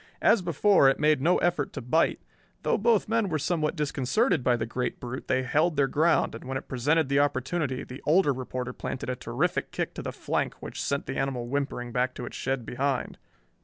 As before, it made no effort to bite. Though both men were somewhat disconcerted by the great brute they held their ground, and when it presented the opportunity the older reporter planted a terrific kick to the flank which sent the animal whimpering back to its shed behind.